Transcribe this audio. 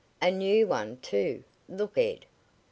"A new one, too! Look, Ed!